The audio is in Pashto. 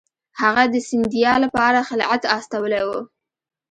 هغه د سیندیا لپاره خلعت استولی وو.